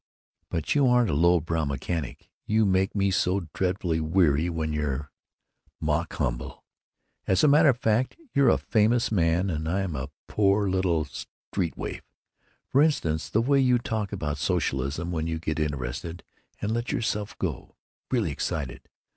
"But you aren't a low brow mechanic. You make me so dreadfully weary when you're mock humble. As a matter of fact, you're a famous man and I'm a poor little street waif. For instance, the way you talk about socialism when you get interested and let yourself go. Really excited.